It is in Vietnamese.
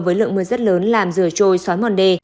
với lượng mưa rất lớn làm rửa trôi xói mòn đê